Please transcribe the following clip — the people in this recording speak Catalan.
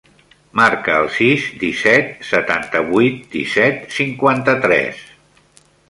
Marca el sis, disset, setanta-vuit, disset, cinquanta-tres.